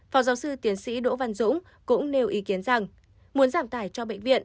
phó giáo sư tiến sĩ đỗ văn dũng cũng nêu ý kiến rằng muốn giảm tải cho bệnh viện